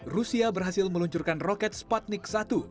rusia berhasil meluncurkan roket spadnix satu